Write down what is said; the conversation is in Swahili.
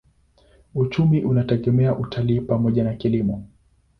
Uchumi unategemea utalii pamoja na kilimo.